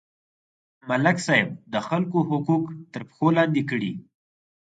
ملک صاحب د خلکو حقوق تر پښو لاندې کړي.